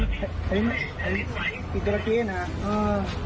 อย่าทำให้พี่น้องกระทานคนหวานกลัวครับ